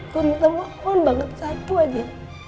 gue minta maaf banget satu aja